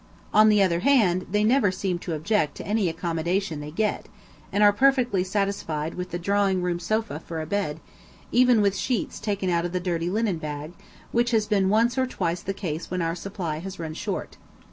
On the other hand, they never seem to object to any accommodation they get, and are perfectly satisfied with the drawing room sofa for a bed, even with sheets taken out of the dirty linen bag, which has been once or twice the case when our supply has run short.